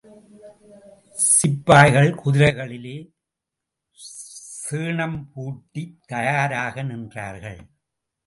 சிப்பாய்கள் குதிரைகளிலே சேணம் பூட்டித் தயாராக நின்றார்கள்.